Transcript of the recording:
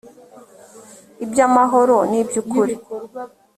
iby amahoro n iby ukuri